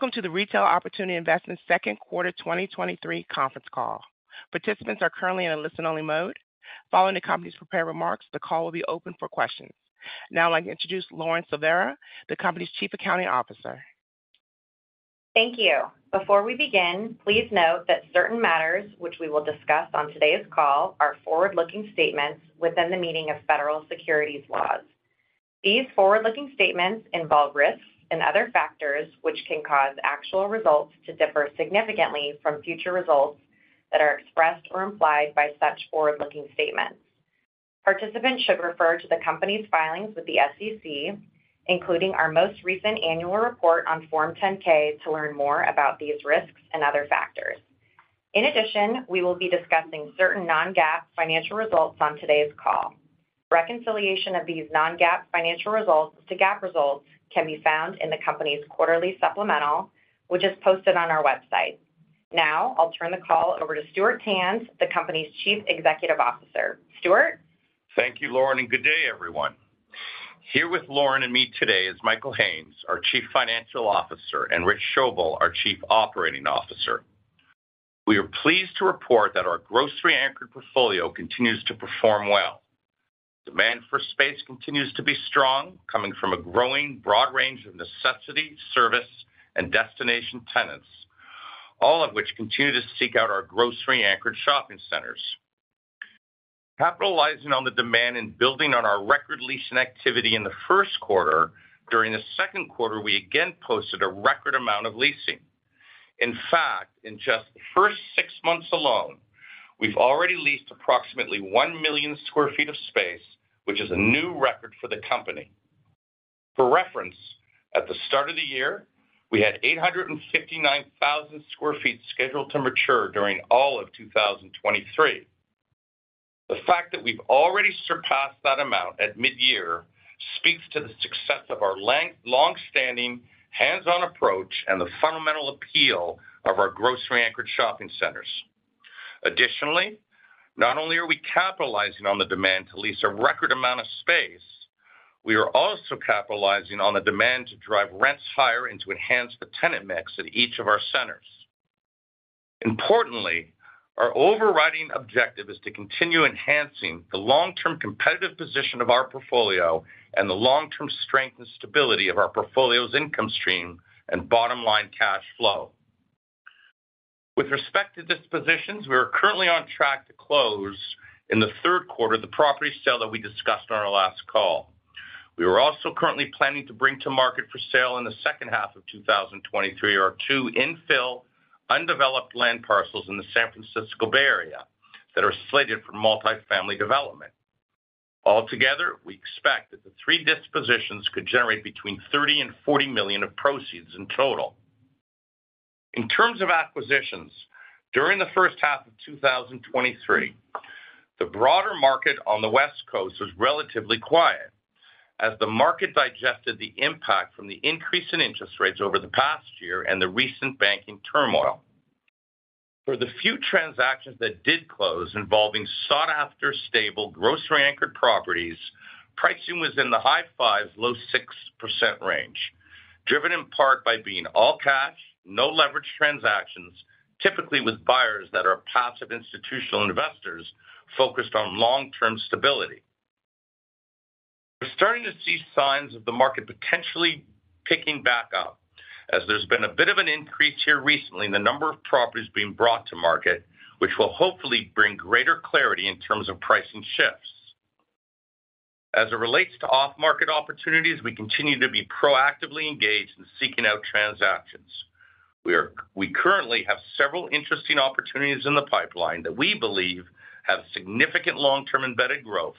Welcome to the Retail Opportunity Investments Q2 2023 conference call. Participants are currently in a listen-only mode. Following the company's prepared remarks, the call will be open for questions. Now, I'd like to introduce Laurie Silveira, the company's Chief Accounting Officer. Thank you. Before we begin, please note that certain matters which we will discuss on today's call are forward-looking statements within the meaning of federal securities laws. These forward-looking statements involve risks and other factors which can cause actual results to differ significantly from future results that are expressed or implied by such forward-looking statements. Participants should refer to the company's filings with the SEC, including our most recent annual report on Form 10-K to learn more about these risks and other factors. In addition, we will be discussing certain non-GAAP financial results on today's call. Reconciliation of these non-GAAP financial results to GAAP results can be found in the company's quarterly supplemental, which is posted on our website. Now, I'll turn the call over to Stuart Tanz, the company's Chief Executive Officer. Stuart? Thank you, Laurie, good day, everyone. Here with Laurie and me today is Michael Haines, our Chief Financial Officer, and Rich Schoebel, our Chief Operating Officer. We are pleased to report that our grocery-anchored portfolio continues to perform well. Demand for space continues to be strong, coming from a growing broad range of necessity, service, and destination tenants, all of which continue to seek out our grocery-anchored shopping centers. Capitalizing on the demand and building on our record leasing activity in the Q1, during the Q2, we again posted a record amount of leasing. In fact, in just the first six months alone, we've already leased approximately 1 million sq ft of space, which is a new record for the company. For reference, at the start of the year, we had 859,000 sq ft scheduled to mature during all of 2023. The fact that we've already surpassed that amount at midyear speaks to the success of our long-standing hands-on approach and the fundamental appeal of our grocery-anchored shopping centers. Not only are we capitalizing on the demand to lease a record amount of space, we are also capitalizing on the demand to drive rents higher and to enhance the tenant mix at each of our centers. Our overriding objective is to continue enhancing the long-term competitive position of our portfolio and the long-term strength and stability of our portfolio's income stream and bottom-line cash flow. With respect to dispositions, we are currently on track to close in the Q3, the property sale that we discussed on our last call. We are also currently planning to bring to market for sale in the H2 of 2023 our two infill undeveloped land parcels in the San Francisco Bay Area that are slated for multifamily development. Altogether, we expect that the three dispositions could generate between $30 million-$40 million of proceeds in total. In terms of acquisitions, during the H1 of 2023, the broader market on the West Coast was relatively quiet as the market digested the impact from the increase in interest rates over the past year and the recent banking turmoil. For the few transactions that did close involving sought-after, stable, grocery-anchored properties, pricing was in the high 5%, low 6% range, driven in part by being all cash, no leverage transactions, typically with buyers that are passive institutional investors focused on long-term stability. We're starting to see signs of the market potentially picking back up, as there's been a bit of an increase here recently in the number of properties being brought to market, which will hopefully bring greater clarity in terms of pricing shifts. It relates to off-market opportunities, we continue to be proactively engaged in seeking out transactions. We currently have several interesting opportunities in the pipeline that we believe have significant long-term embedded growth.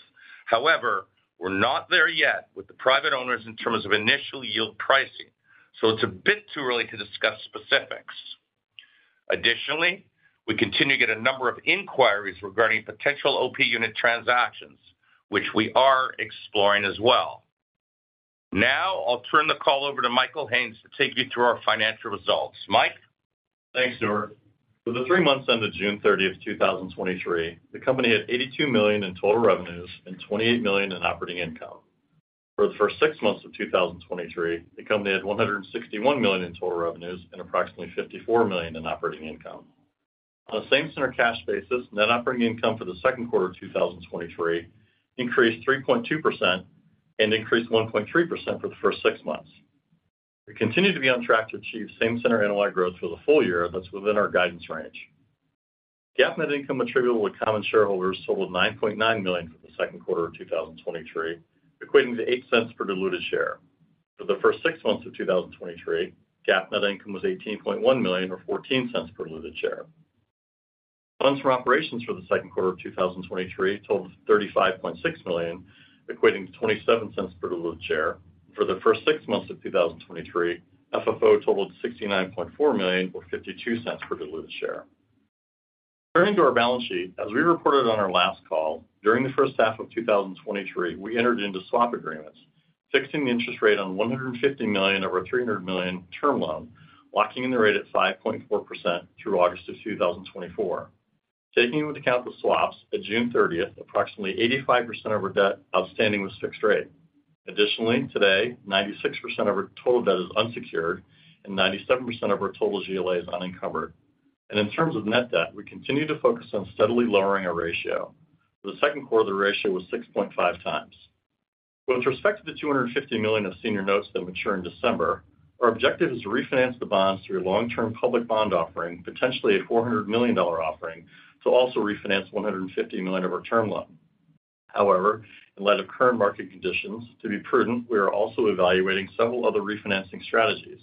We're not there yet with the private owners in terms of initial yield pricing, so it's a bit too early to discuss specifics. We continue to get a number of inquiries regarding potential OP unit transactions, which we are exploring as well. I'll turn the call over to Michael Haines to take you through our financial results. Mike? Thanks, Stuart. For the three months ended 13 June 2023, the company had $82 million in total revenues and $28 million in operating income. For the first six months of 2023, the company had $161 million in total revenues and approximately $54 million in operating income. On a same-center cash basis, net operating income for the Q2 of 2023 increased 3.2% and increased 1.3% for the first six months. We continue to be on track to achieve same-center NOI growth for the full year, that's within our guidance range. GAAP net income attributable to common shareholders totaled $9.9 million for the Q2 of 2023, equating to $0.08 per diluted share. For the first 6 months of 2023, GAAP net income was $18.1 million or $0.14 per diluted share. Funds from operations for the 2Q of 2023 totaled $35.6 million, equating to $0.27 per diluted share. For the first 6 months of 2023, FFO totaled $69.4 million or $0.52 per diluted share. Turning to our balance sheet, as we reported on our last call, during the H1 of 2023, we entered into swap agreements, fixing the interest rate on $150 million over $300 million term loan, locking in the rate at 5.4% through August of 2024. Taking into account the swaps, at June 30th, approximately 85% of our debt outstanding was fixed rate. Additionally, today, 96% of our total debt is unsecured, and 97% of our total GLA is unencumbered. In terms of net debt, we continue to focus on steadily lowering our ratio. For the Q2, the ratio was 6.5x. With respect to the $250 million of senior notes that mature in December, our objective is to refinance the bonds through a long-term public bond offering, potentially a $400 million offering, to also refinance $150 million of our term loan. In light of current market conditions, to be prudent, we are also evaluating several other refinancing strategies,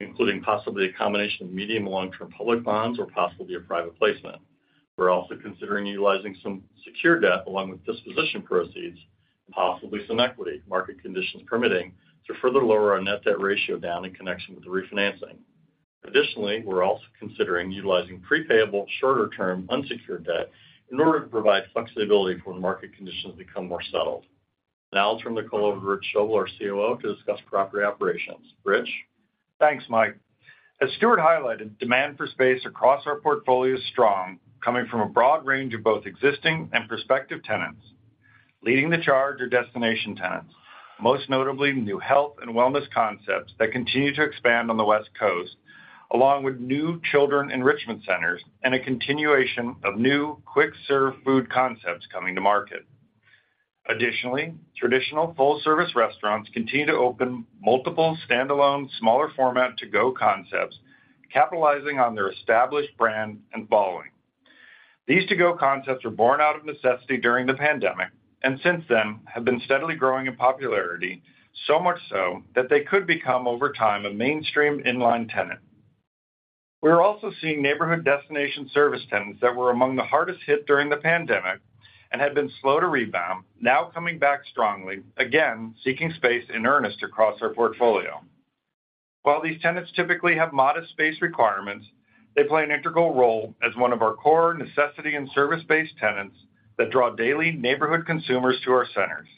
including possibly a combination of medium and long-term public bonds or possibly a private placement. We're also considering utilizing some secured debt along with disposition proceeds, and possibly some equity, market conditions permitting, to further lower our net debt ratio down in connection with the refinancing. Additionally, we're also considering utilizing pre-payable, shorter-term, unsecured debt in order to provide flexibility for when market conditions become more settled. I'll turn the call over to Rich Schoebel, our COO, to discuss property operations. Rich? Thanks, Mike. As Stuart highlighted, demand for space across our portfolio is strong, coming from a broad range of both existing and prospective tenants. Leading the charge are destination tenants, most notably new health and wellness concepts that continue to expand on the West Coast, along with new children enrichment centers and a continuation of new quick-serve food concepts coming to market. Traditional full-service restaurants continue to open multiple standalone, smaller format to-go concepts, capitalizing on their established brand and following. These to-go concepts were born out of necessity during the pandemic, and since then, have been steadily growing in popularity, so much so that they could become, over time, a mainstream inline tenant. We're also seeing neighborhood destination service tenants that were among the hardest hit during the pandemic and had been slow to rebound, now coming back strongly, again, seeking space in earnest across our portfolio. While these tenants typically have modest space requirements, they play an integral role as one of our core necessity and service-based tenants that draw daily neighborhood consumers to our centers.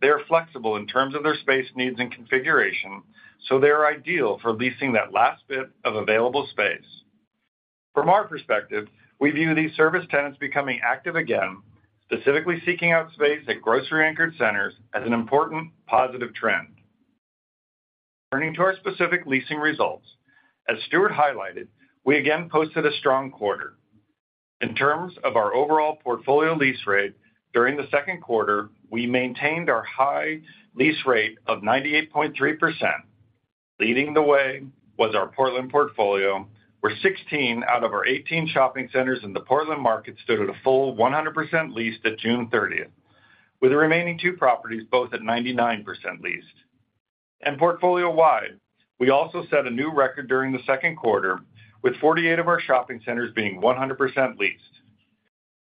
They are flexible in terms of their space needs and configuration, so they are ideal for leasing that last bit of available space. We view these service tenants becoming active again, specifically seeking out space at grocery-anchored centers as an important positive trend. As Stuart highlighted, we again posted a strong quarter. During the Q2, we maintained our high lease rate of 98.3%. Leading the way was our Portland portfolio, where 16 out of our 18 shopping centers in the Portland market stood at a full 100% leased at June 30th, with the remaining 2 properties both at 99% leased. Portfolio-wide, we also set a new record during the Q2, with 48 of our shopping centers being 100% leased.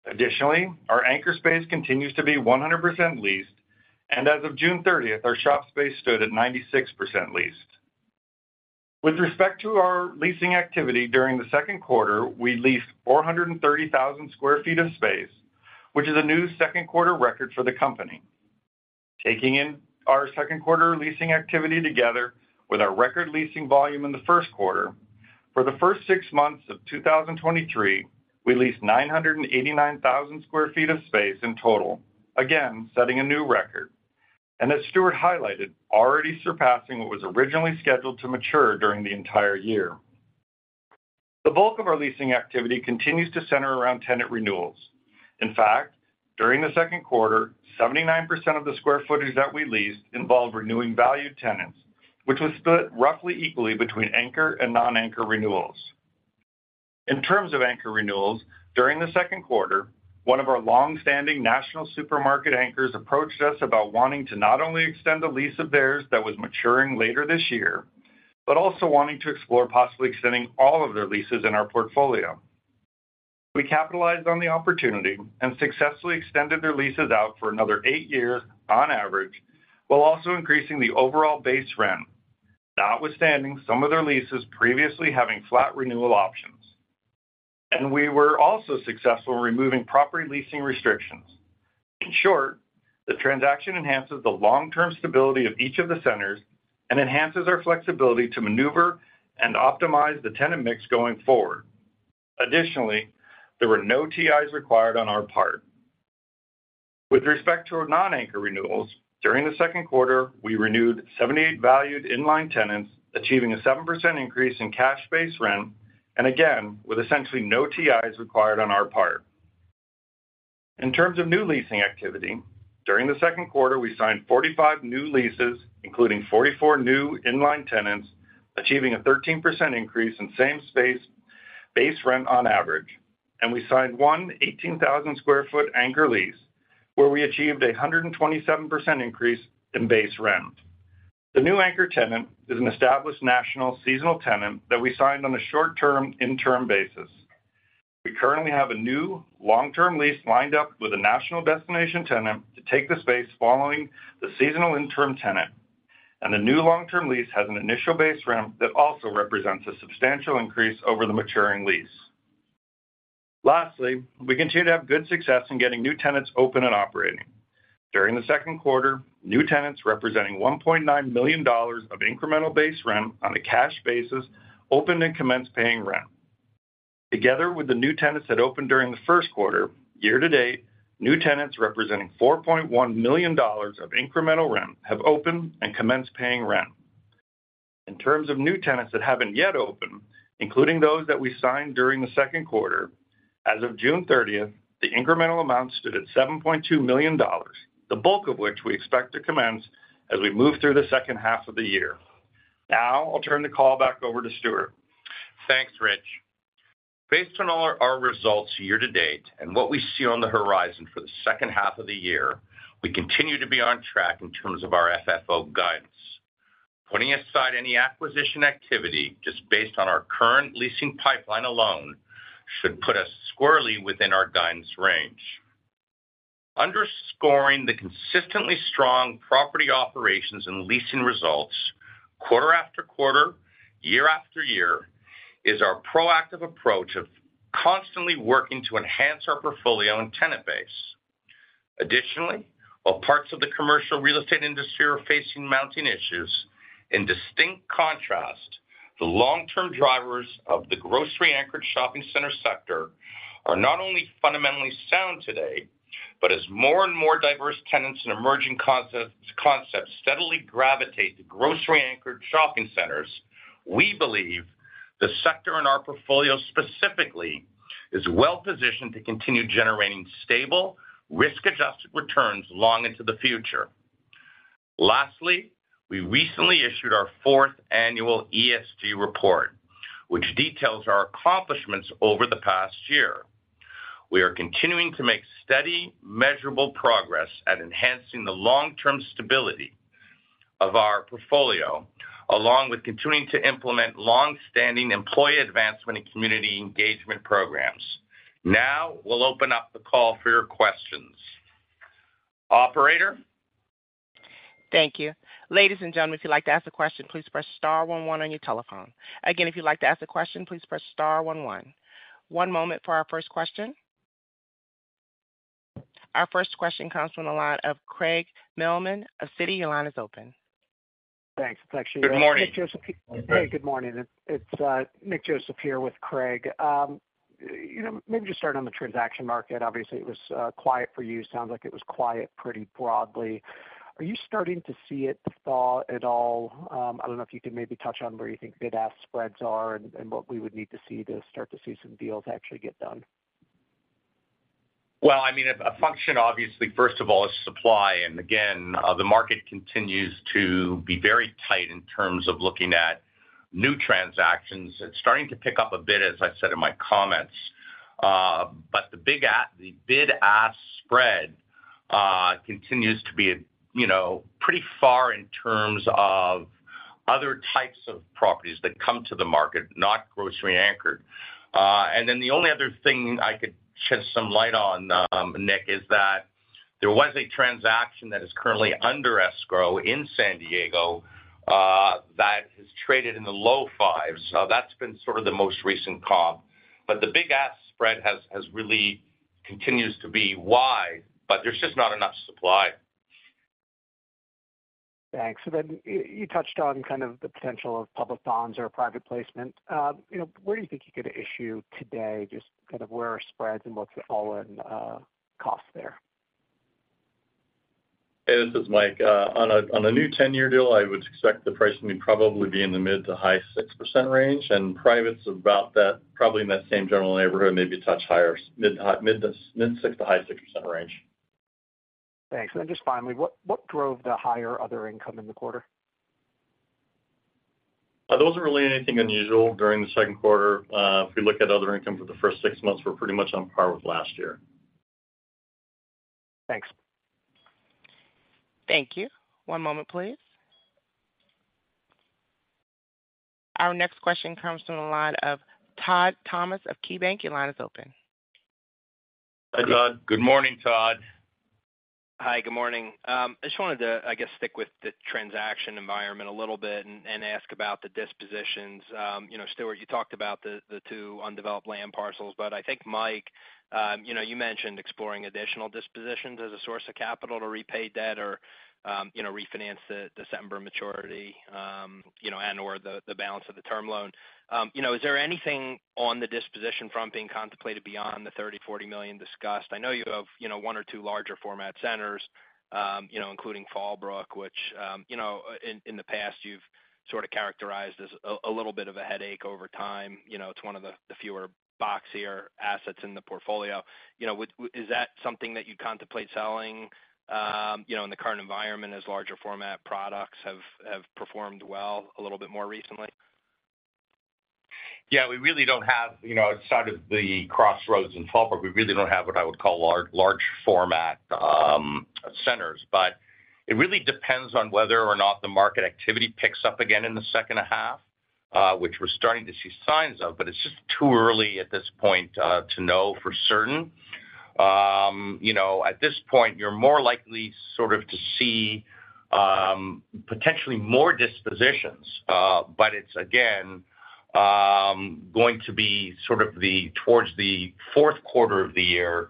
Additionally, our anchor space continues to be 100% leased, and as of June 30th, our shop space stood at 96% leased. With respect to our leasing activity during the Q2, we leased 430,000 sq ft of space, which is a new Q2 record for the company. Taking in our Q2 leasing activity together with our record leasing volume in the Q1, for the first six months of 2023, we leased 989,000 sq ft of space in total, again, setting a new record, and as Stuart highlighted, already surpassing what was originally scheduled to mature during the entire year. The bulk of our leasing activity continues to center around tenant renewals. In fact, during the Q2, 79% of the square footage that we leased involved renewing valued tenants, which was split roughly equally between anchor and non-anchor renewals. In terms of anchor renewals, during the Q2, one of our long-standing national supermarket anchors approached us about wanting to not only extend a lease of theirs that was maturing later this year, but also wanting to explore possibly extending all of their leases in our portfolio. We capitalized on the opportunity and successfully extended their leases out for another 8 years on average, while also increasing the overall base rent, notwithstanding some of their leases previously having flat renewal options. We were also successful in removing property leasing restrictions. In short, the transaction enhances the long-term stability of each of the centers and enhances our flexibility to maneuver and optimize the tenant mix going forward. There were no TIs required on our part. With respect to our non-anchor renewals, during the Q2, we renewed 78 valued inline tenants, achieving a 7% increase in cash base rent, and again, with essentially no TIs required on our part. In terms of new leasing activity, during the Q2, we signed 45 new leases, including 44 new inline tenants, achieving a 13% increase in same space base rent on average. We signed one 18,000 sq ft anchor lease, where we achieved a 127% increase in base rent. The new anchor tenant is an established national seasonal tenant that we signed on a short-term interim basis. We currently have a new long-term lease lined up with a national destination tenant to take the space following the seasonal interim tenant. The new long-term lease has an initial base rent that also represents a substantial increase over the maturing lease. Lastly, we continue to have good success in getting new tenants open and operating. During the Q2, new tenants representing $1.9 million of incremental base rent on a cash basis opened and commenced paying rent. Together with the new tenants that opened during the Q1, year-to-date, new tenants representing $4.1 million of incremental rent have opened and commenced paying rent. In terms of new tenants that haven't yet opened, including those that we signed during the Q2, as of 30 June 2023, the incremental amount stood at $7.2 million, the bulk of which we expect to commence as we move through the second half of the year. Now I'll turn the call back over to Stuart. Thanks, Rich. Based on all our results year to date and what we see on the horizon for the H2 of the year, we continue to be on track in terms of our FFO guidance. Putting aside any acquisition activity, just based on our current leasing pipeline alone, should put us squarely within our guidance range. Underscoring the consistently strong property operations and leasing results, quarter after quarter, year after year, is our proactive approach of constantly working to enhance our portfolio and tenant base. Additionally, while parts of the commercial real estate industry are facing mounting issues, in distinct contrast, the long-term drivers of the grocery-anchored shopping center sector are not only fundamentally sound today, but as more and more diverse tenants and emerging concepts steadily gravitate to grocery-anchored shopping centers, we believe the sector in our portfolio specifically, is well positioned to continue generating stable, risk-adjusted returns long into the future. Lastly, we recently issued our fourth annual ESG report, which details our accomplishments over the past year. We are continuing to make steady, measurable progress at enhancing the long-term stability of our portfolio, along with continuing to implement long-standing employee advancement and community engagement programs. Now, we'll open up the call for your questions. Operator? Thank you. Ladies and gentlemen, if you'd like to ask a question, please press star one one on your telephone. Again, if you'd like to ask a question, please press star one one. One moment for our first question. Our first question comes from the line of Craig Mailman of Citi. Your line is open. Thanks. It's actually... Good morning. Hey, good morning. It's Nick Joseph here with Craig. You know, maybe just start on the transaction market. Obviously, it was quiet for you. Sounds like it was quiet pretty broadly. Are you starting to see it thaw at all? I don't know if you could maybe touch on where you think bid-ask spreads are and what we would need to see to start to see some deals actually get done. Well, I mean, a function, obviously, first of all, is supply. Again, the market continues to be very tight in terms of looking at new transactions. It's starting to pick up a bit, as I said in my comments, the bid-ask spread continues to be, you know, pretty far in terms of other types of properties that come to the market, not grocery-anchored. The only other thing I could shed some light on, Nick, is that there was a transaction that is currently under escrow in San Diego, that has traded in the low 5s. That's been sort of the most recent comp. The bid-ask spread has really continues to be wide, but there's just not enough supply. Thanks. You touched on kind of the potential of public bonds or private placement. You know, where do you think you could issue today? Just kind of where are spreads and what's the all-in cost there? Hey, this is Mike. On a new 10-year deal, I would expect the pricing to probably be in the mid to high 6% range, privates about that, probably in that same general neighborhood, maybe a touch higher, mid 6% to high 6% range. Thanks. Then just finally, what drove the higher other income in the quarter? There wasn't really anything unusual during the Q2. If you look at other income for the first six months, we're pretty much on par with last year. Thanks. Thank you. One moment, please. Our next question comes from the line of Todd Thomas of KeyBanc. Your line is open. Good morning, Todd. Hi, good morning. I just wanted to, I guess, stick with the transaction environment a little bit and ask about the dispositions. Stuart, you talked about the two undeveloped land parcels, but I think Mike, you mentioned exploring additional dispositions as a source of capital to repay debt or refinance the December maturity and/or the balance of the term loan. Is there anything on the disposition front being contemplated beyond the $30 million-$40 million discussed? I know you have one or two larger format centers, including Fallbrook, which in the past, you've sort of characterized as a little bit of a headache over time. It's one of the fewer boxier assets in the portfolio. You know, is that something that you contemplate selling, you know, in the current environment, as larger format products have performed well a little bit more recently? Yeah, we really don't have, you know, outside of the crossroads in Fallbrook, we really don't have what I would call large format centers. It really depends on whether or not the market activity picks up again in the H2, which we're starting to see signs of, but it's just too early at this point to know for certain. You know, at this point, you're more likely sort of to see potentially more dispositions, but it's again, going to be sort of the, towards the Q4 of the year.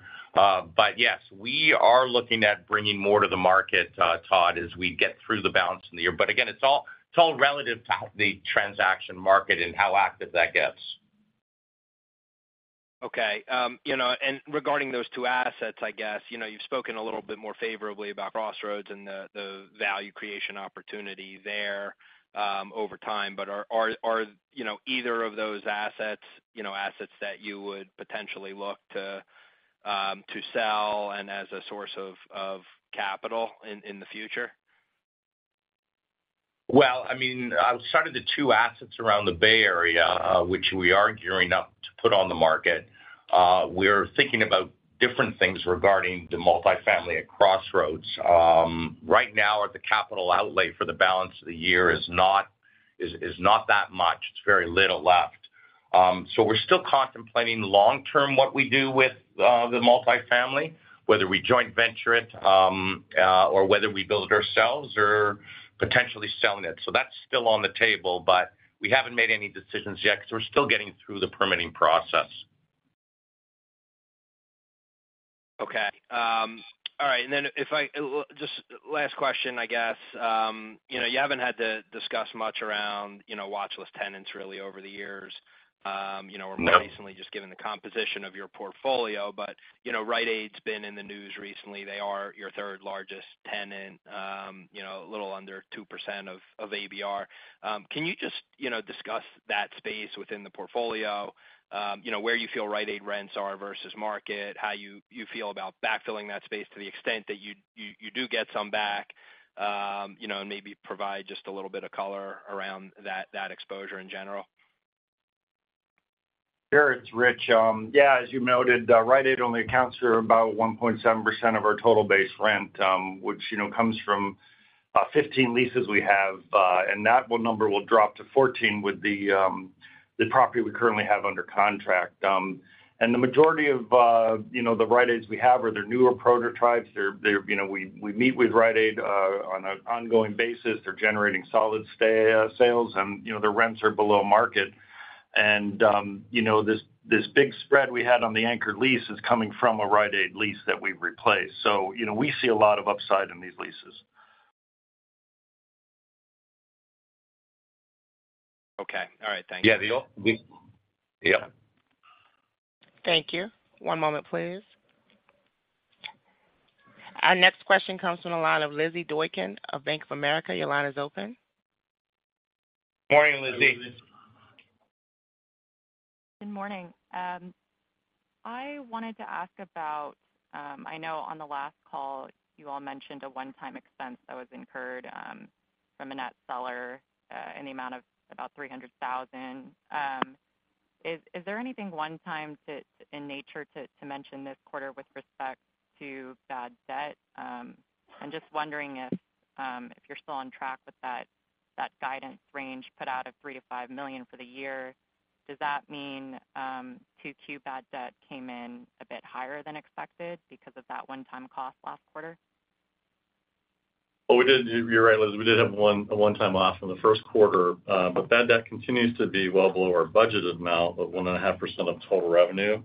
Yes, we are looking at bringing more to the market, Todd, as we get through the balance in the year. Again, it's all, it's all relative to how the transaction market and how active that gets. Okay. you know, regarding those two assets, I guess, you know, you've spoken a little bit more favorably about Crossroads and the value creation opportunity there, over time. Are, you know, either of those assets, you know, assets that you would potentially look to sell and as a source of capital in the future? Well, I mean, outside of the two assets around the Bay Area, which we are gearing up to put on the market, we're thinking about different things regarding the multifamily at Crossroads. Right now, the capital outlay for the balance of the year is not that much. It's very little left. We're still contemplating long term, what we do with the multifamily, whether we joint venture it, or whether we build it ourselves or potentially selling it. That's still on the table, but we haven't made any decisions yet because we're still getting through the permitting process. Okay. All right. If I just last question, I guess. You know, you haven't had to discuss much around, you know, watch list tenants really over the years, you know... No more recently, just given the composition of your portfolio. You know, Rite Aid's been in the news recently. They are your third-largest tenant, you know, a little under 2% of ABR. Can you just, you know, discuss that space within the portfolio? You know, where you feel Rite Aid rents are versus market, how you feel about backfilling that space to the extent that you do get some back, you know, and maybe provide just a little bit of color around that exposure in general? Sure. It's Rich. Yeah, as you noted, Rite Aid only accounts for about 1.7% of our total base rent, which, you know, comes from 15 leases we have, and that number will drop to 14 with the property we currently have under contract. The majority of, you know, the Rite Aids we have are their newer prototypes. We meet with Rite Aid on an ongoing basis. They're generating solid sales, and, you know, their rents are below market. You know, this big spread we had on the anchored lease is coming from a Rite Aid lease that we've replaced. You know, we see a lot of upside in these leases. Okay. All right. Thank you. Yeah, We... Yeah. Thank you. One moment, please. Our next question comes from the line of Lizzy Doykin of Bank of America. Your line is open. Morning, Lizzy. Morning, Lizzy. Good morning. I wanted to ask about, I know on the last call, you all mentioned a one-time expense that was incurred, from a net settlement, in the amount of about $300,000. Is there anything one-time in nature to mention this quarter with respect to bad debt? I'm just wondering if you're still on track with that guidance range put out of $3 million-$5 million for the year. Does that mean Q2 bad debt came in a bit higher than expected because of that one-time cost last quarter? Well, you're right, Lizzy. We did have a one-time loss in theQ2. Bad debt continues to be well below our budgeted amount of 1.5% of total revenue,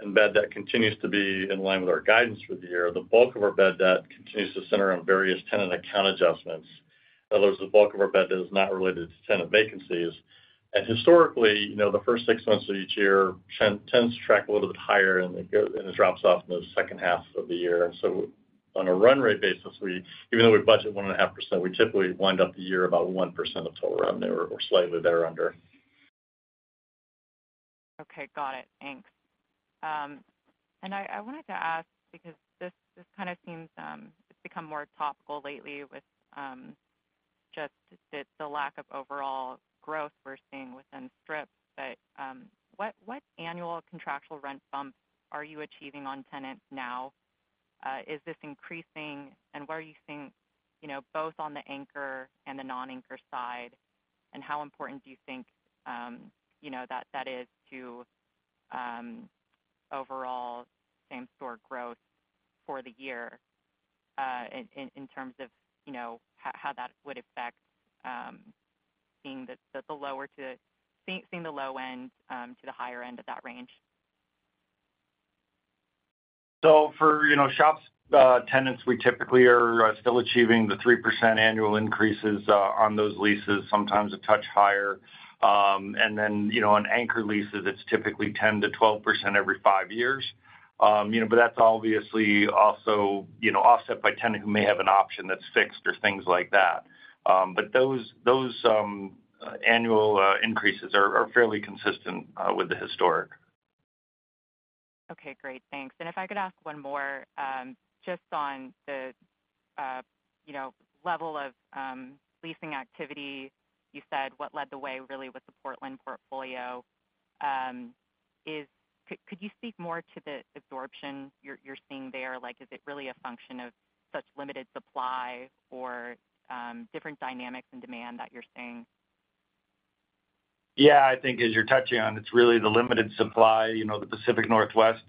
and bad debt continues to be in line with our guidance for the year. The bulk of our bad debt continues to center on various tenant account adjustments. In other words, the bulk of our bad debt is not related to tenant vacancies. Historically, you know, the first 6 months of each year tends to track a little bit higher, and it drops off in the H2. On a run rate basis, we even though we budget 1.5%, we typically wind up the year about 1% of total revenue or slightly better under. Okay, got it. Thanks. I wanted to ask because this kind of seems it's become more topical lately with just the lack of overall growth we're seeing within strip. What annual contractual rent bumps are you achieving on tenants now? Is this increasing, and where are you seeing, you know, both on the anchor and the non-anchor side, and how important do you think, you know, that is to overall same-store growth for the year, in terms of, you know, how that would affect seeing that, the lower to, seeing the low end to the higher end of that range? For, you know, shops, tenants, we typically are still achieving the 3% annual increases on those leases, sometimes a touch higher. Then, you know, on anchor leases, it's typically 10%-12% every 5 years. You know, that's obviously also, you know, offset by tenant who may have an option that's fixed or things like that. Those annual increases are fairly consistent with the historic. Okay, great. Thanks. If I could ask one more, just on the, you know, level of leasing activity. You said what led the way really was the Portland portfolio. Could you speak more to the absorption you're seeing there? Is it really a function of such limited supply or different dynamics in demand that you're seeing? Yeah, I think as you're touching on, it's really the limited supply. You know, the Pacific Northwest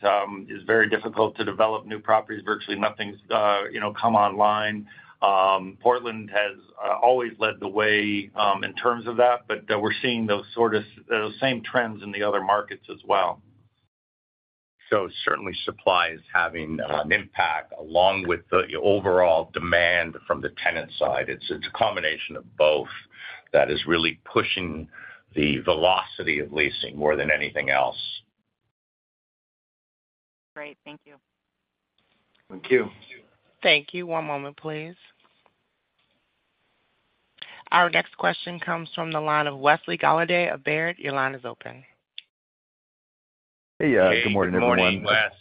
is very difficult to develop new properties. Virtually nothing's, you know, come online. Portland has always led the way in terms of that, but we're seeing those sort of, those same trends in the other markets as well. ... Certainly, supply is having an impact, along with the overall demand from the tenant side. It's a combination of both that is really pushing the velocity of leasing more than anything else. Great. Thank you. Thank you. Thank you. One moment, please. Our next question comes from the line of Wesley Golladay of Baird. Your line is open. Hey, good morning, everyone. Good morning, Wes.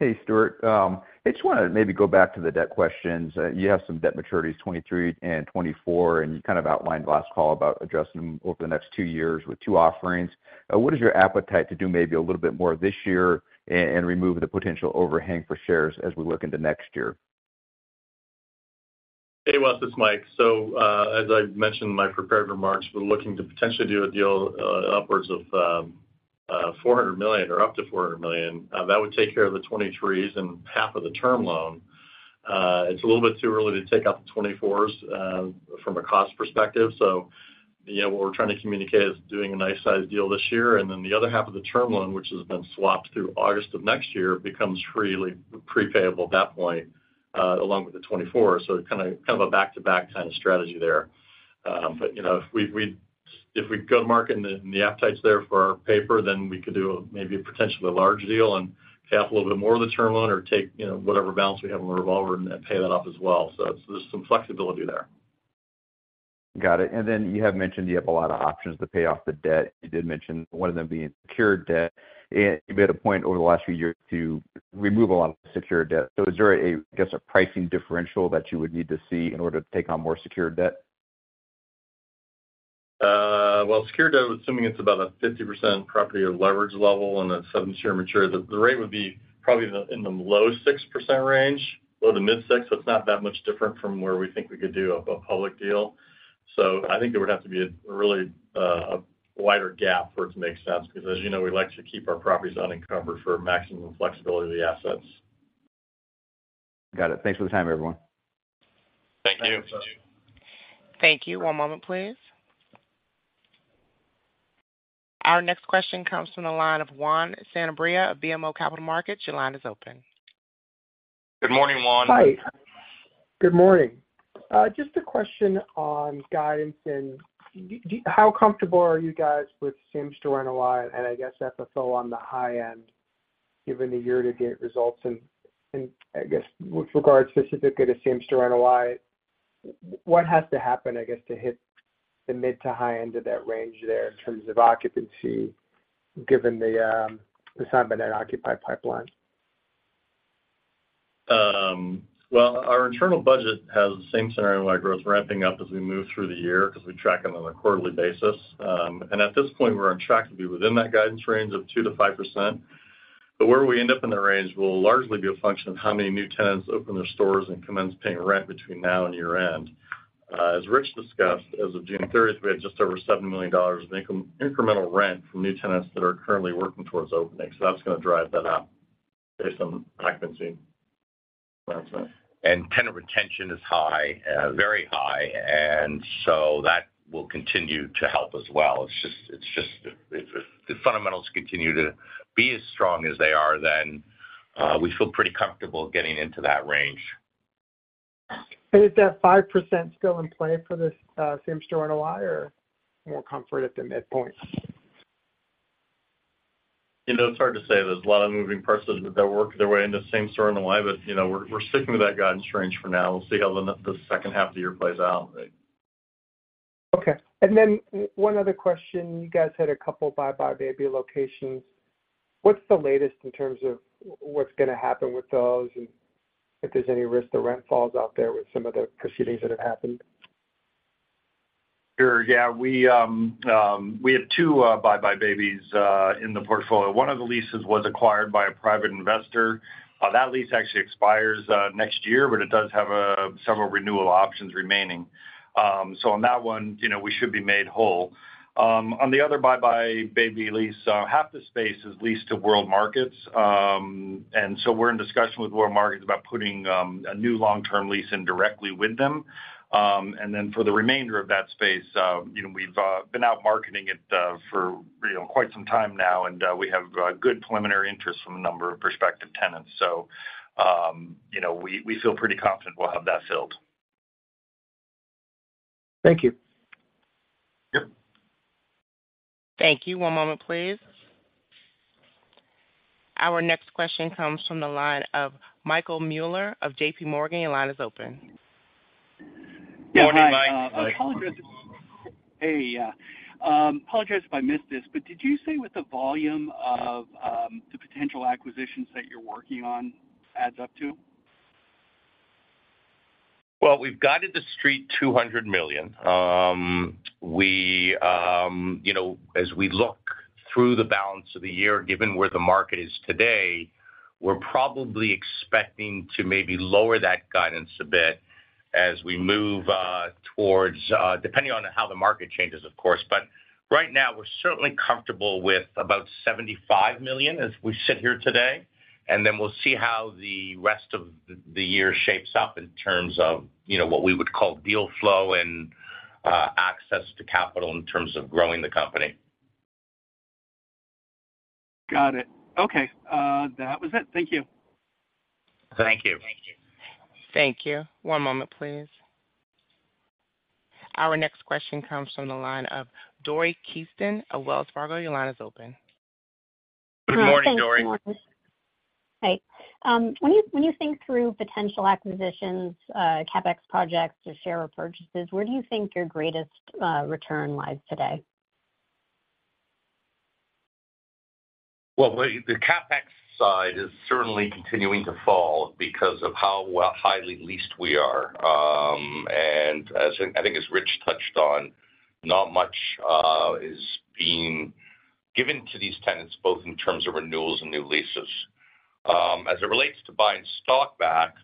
Hey, Stuart. I just want to maybe go back to the debt questions. You have some debt maturities, 2023 and 2024, you kind of outlined last call about addressing them over the next 2 years with 2 offerings. What is your appetite to do maybe a little bit more this year and remove the potential overhang for shares as we look into next year? Hey, Wes, it's Mike. As I mentioned in my prepared remarks, we're looking to potentially do a deal, upwards of $400 million or up to $400 million. That would take care of the 2023s and half of the term loan. It's a little bit too early to take out the 2024s from a cost perspective. You know, what we're trying to communicate is doing a nice-sized deal this year, and then the other half of the term loan, which has been swapped through August of next year, becomes freely pre-payable at that point, along with the 2024. Kind of a back-to-back kind of strategy there. You know, if we go to market and the, and the appetite's there for our paper, then we could do maybe a potentially larger deal and pay off a little bit more of the term loan or take, you know, whatever balance we have on the revolver and pay that off as well. There's some flexibility there. Got it. You have mentioned you have a lot of options to pay off the debt. You did mention one of them being secured debt. You made a point over the last few years to remove a lot of secured debt. Is there a, I guess, a pricing differential that you would need to see in order to take on more secured debt? Well, secured debt, assuming it's about a 50% property or leverage level and a 7-year maturity, the rate would be probably in the low 6% range or the mid 6%. It's not that much different from where we think we could do a public deal. I think there would have to be a really a wider gap for it to make sense, because as you know, we like to keep our properties unencumbered for maximum flexibility of the assets. Got it. Thanks for the time, everyone. Thank you. Thank you. One moment, please. Our next question comes from the line of Juan Sanabria of BMO Capital Markets. Your line is open. Good morning, Juan. Hi. Good morning. Just a question on guidance, and how comfortable are you guys with same-store NOI, and I guess, FFO on the high end, given the year-to-date results? I guess with regard specifically to same-store NOI, what has to happen, I guess, to hit the mid to high end of that range there in terms of occupancy, given the signed but not occupied pipeline? Well, our internal budget has the same scenario, NOI growth, ramping up as we move through the year because we track them on a quarterly basis. At this point, we're on track to be within that guidance range of 2%-5%. Where we end up in the range will largely be a function of how many new tenants open their stores and commence paying rent between now and year-end. As Rich discussed, as of 30 JUne 2023, we had just over $7 million in incremental rent from new tenants that are currently working towards opening. That's gonna drive that up based on occupancy. Tenant retention is high, very high, and so that will continue to help as well. It's just. If the fundamentals continue to be as strong as they are, then, we feel pretty comfortable getting into that range. Is that 5% still in play for this, same-store NOI, or more comfort at the midpoint? You know, it's hard to say. There's a lot of moving parts that work their way into same-store NOI, but, you know, we're sticking with that guidance range for now. We'll see how the H2 plays out. Okay. one other question, you guys had a couple buybuy BABY locations. What's the latest in terms of what's gonna happen with those, and if there's any risk the rent falls out there with some of the proceedings that have happened? Sure. Yeah, we have 2 buybuy BABIES in the portfolio. One of the leases was acquired by a private investor. That lease actually expires next year, but it does have several renewal options remaining. On that one, you know, we should be made whole. On the other buybuy BABY lease, half the space is leased to World Market. We're in discussion with World Markets about putting a new long-term lease in directly with them. For the remainder of that space, you know, we've been out marketing it for, you know, quite some time now, and we have good preliminary interest from a number of prospective tenants. You know, we feel pretty confident we'll have that filled. Thank you. Yep. Thank you. One moment, please. Our next question comes from the line of Michael Mueller of JPMorgan. Your line is open. Good morning, Mike. I apologize. Hey, apologize if I missed this, but did you say what the volume of the potential acquisitions that you're working on adds up to? Well, we've guided the street $200 million. We, you know, as we look through the balance of the year, given where the market is today, we're probably expecting to maybe lower that guidance a bit as we move towards depending on how the market changes, of course. Right now, we're certainly comfortable with about $75 million as we sit here today. Then we'll see how the rest of the year shapes up in terms of, you know, what we would call deal flow and access to capital in terms of growing the company. Got it. Okay, that was it. Thank you. Thank you. Thank you. One moment, please. Our next question comes from the line of Dori Kesten of Wells Fargo. Your line is open. Good morning, Dori. Hi. When you think through potential acquisitions, CapEx projects, or share repurchases, where do you think your greatest, return lies today? The CapEx side is certainly continuing to fall because of how highly leased we are. As, I think, as Rich Schoebel touched on, not much is being given to these tenants, both in terms of renewals and new leases. As it relates to buying stock back,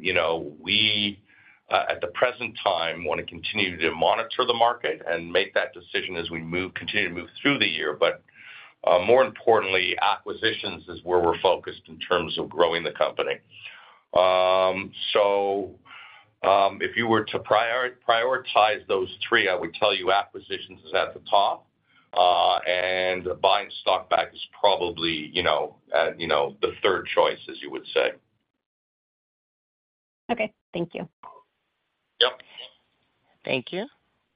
you know, we, at the present time, want to continue to monitor the market and make that decision as we continue to move through the year. More importantly, acquisitions is where we're focused in terms of growing the company. If you were to prioritize those three, I would tell you acquisitions is at the top, buying stock back is probably, you know, the third choice, as you would say. Okay. Thank you. Yep. Thank you.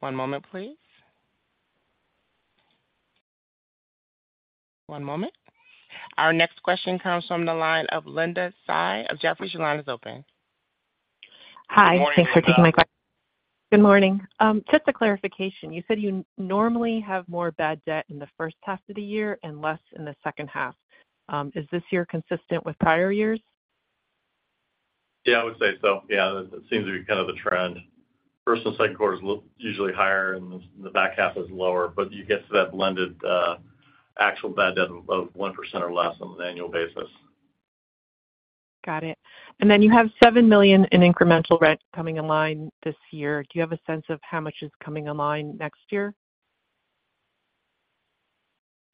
One moment, please. One moment. Our next question comes from the line of Linda Tsai of Jefferies. Your line is open. Hi. Good morning, Linda. Thanks for taking my call. Good morning. Just a clarification: you said you normally have more bad debt in the H1 and less in H2. Is this year consistent with prior years? Yeah, I would say so. Yeah, it seems to be kind of the trend. Q1 and Q2 is usually higher, and the back half is lower, but you get to that blended, actual bad debt of 1% or less on an annual basis. Got it. You have $7 million in incremental rent coming online this year. Do you have a sense of how much is coming online next year?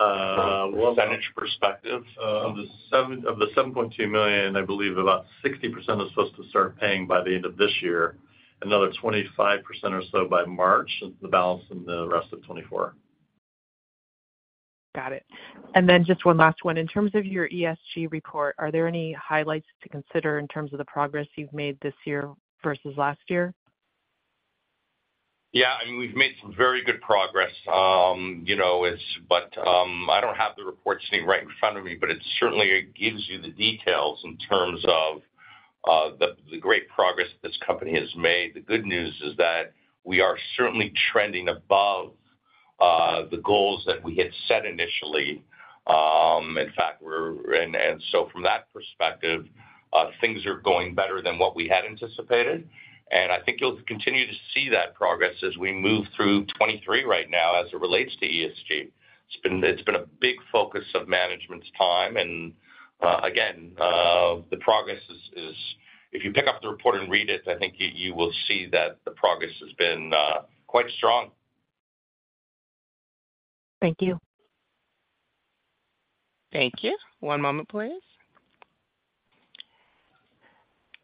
Uh, well- Percentage perspective, of the $7.2 million, I believe about 60% are supposed to start paying by the end of this year, another 25% or so by March, and the balance in the rest of 2024. Got it. Just one last one. In terms of your ESG report, are there any highlights to consider in terms of the progress you've made this year versus last year? Yeah, I mean, we've made some very good progress. you know, I don't have the report sitting right in front of me, but it certainly gives you the details in terms of the great progress this company has made. The good news is that we are certainly trending above the goals that we had set initially. From that perspective, things are going better than what we had anticipated, and I think you'll continue to see that progress as we move through 2023 right now as it relates to ESG. It's been a big focus of management's time, and again, the progress is if you pick up the report and read it, I think you will see that the progress has been quite strong. Thank you. Thank you. One moment, please.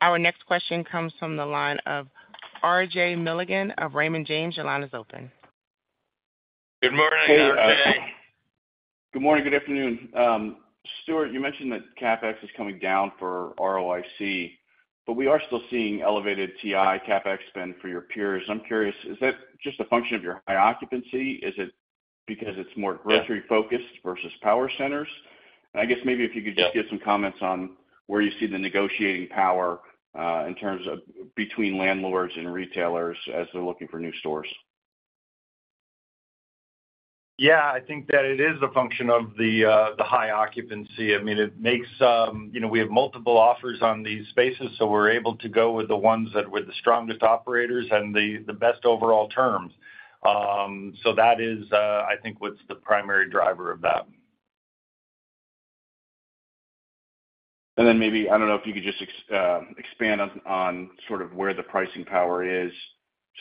Our next question comes from the line of RJ Milligan of Raymond James. Your line is open. Good morning, RJ. Good morning. Good afternoon. Stuart, you mentioned that CapEx is coming down for ROIC, but we are still seeing elevated TI CapEx spend for your peers. I'm curious, is that just a function of your high occupancy? Is it because it's more grocery-focused versus power centers? I guess maybe if you could just give some comments on where you see the negotiating power, in terms of between landlords and retailers as they're looking for new stores. Yeah, I think that it is a function of the high occupancy. You know, we have multiple offers on these spaces, we're able to go with the ones that were the strongest operators and the best overall terms. That is, I think, what's the primary driver of that. Maybe, I don't know if you could just expand on sort of where the pricing power is,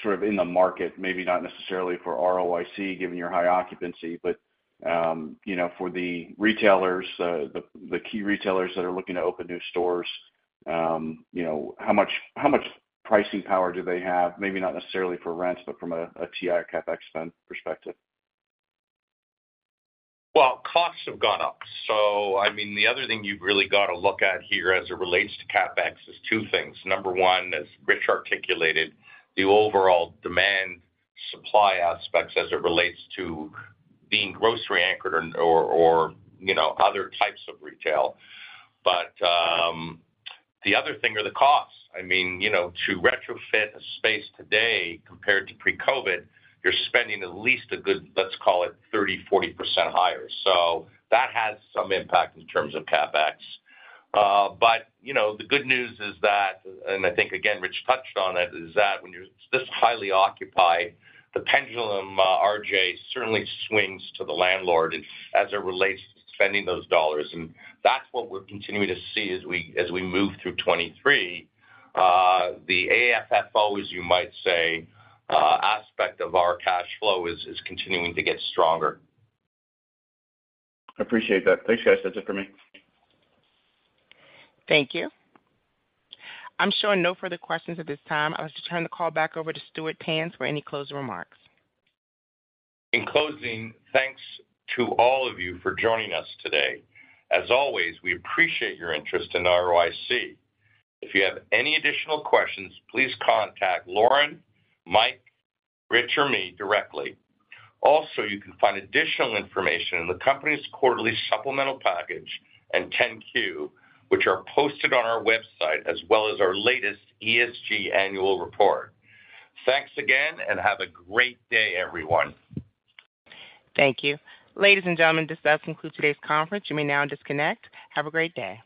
sort of in the market, maybe not necessarily for ROIC, given your high occupancy, but, you know, for the retailers, the key retailers that are looking to open new stores, you know, how much pricing power do they have? Maybe not necessarily for rents, but from a TI CapEx spend perspective. Costs have gone up. I mean, the other thing you've really got to look at here as it relates to CapEx is two things. Number one, as Rich articulated, the overall demand/supply aspects as it relates to being grocery-anchored or, you know, other types of retail. The other thing are the costs. I mean, you know, to retrofit a space today compared to pre-COVID, you're spending at least a good, let's call it, 30%, 40% higher. That has some impact in terms of CapEx. You know, the good news is that, and I think again, Rich touched on it, is that when you're this highly occupied, the pendulum, RJ, certainly swings to the landlord as it relates to spending those dollars, and that's what we're continuing to see as we, as we move through 2023. The AFFO, as you might say, aspect of our cash flow is continuing to get stronger. I appreciate that. Thanks, guys. That's it for me. Thank you. I'm showing no further questions at this time. I'll just turn the call back over to Stuart Tanz for any closing remarks. In closing, thanks to all of you for joining us today. As always, we appreciate your interest in ROIC. If you have any additional questions, please contact Laurie, Mike, Rich, or me directly. You can find additional information in the company's quarterly supplemental package and 10-Q, which are posted on our website, as well as our latest ESG annual report. Thanks again, and have a great day, everyone. Thank you. Ladies and gentlemen, this does conclude today's conference. You may now disconnect. Have a great day.